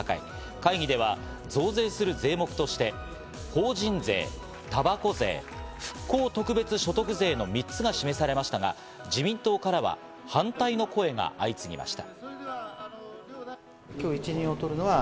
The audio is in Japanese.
会議では増税する税目として、法人税、たばこ税、復興特別所得税の３つが示されましたが、自民党からは反対の声が相次ぎました。